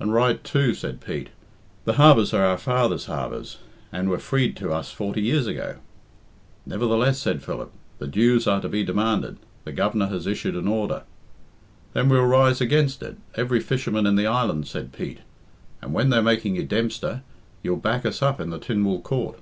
"And right too," said Pete. "The harbours are our fathers' harbours, and were freed to us forty years ago." "Nevertheless," said Philip, "the dues are to be demanded. The Governor has issued an order." "Then we'll rise against it every fisherman in the island," said Pete. "And when they're making you Dempster, you'll back us up in the Tynwald Coort."